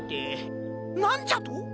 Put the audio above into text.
なんじゃと！？